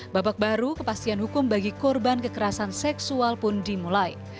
babak baru kepastian hukum bagi korban kekerasan seksual pun dimulai